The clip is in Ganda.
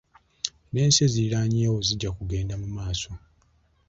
N'ensi eziriraanyeewo zijja kugenda mu maaso.